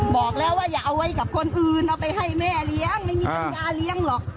บอกแล้วว่าอย่าเอาไว้กับคนอื่นเอาไปให้แม่เลี้ยงไม่มีปัญญาเลี้ยงหรอก